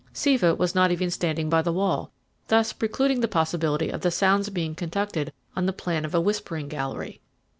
Siva was not even standing by the wall, thus precluding the possibility of the sounds being conducted on the plan of a whispering gallery.